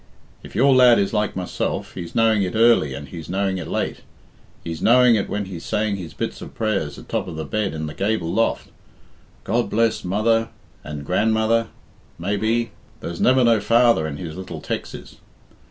If your lad is like myself, he's knowing it early and he's knowing it late. He's knowing it when he's saying his bits of prayers atop of the bed in the gable loft: 'God bless mother and grandmother,' maybe there's never no 'father' in his little texes.